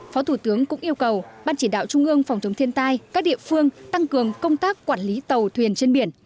phó thủ tướng cũng yêu cầu ban chỉ đạo trung ương phòng chống thiên tai các địa phương tăng cường công tác quản lý tàu thuyền trên biển